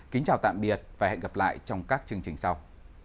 kính chào tạm biệt và hẹn gặp lại trong các chương trình sau